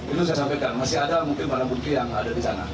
itu saya sampaikan masih ada mungkin barang bukti yang ada di sana